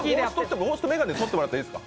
帽子と眼鏡取ってもらっていいですか？